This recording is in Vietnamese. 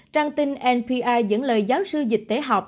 trang tin npr dẫn lời giáo sư dịch tế học